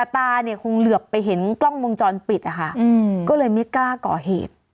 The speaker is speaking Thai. ตาเนี่ยคงเหลือไปเห็นกล้องวงจรปิดนะคะก็เลยไม่กล้าก่อเหตุ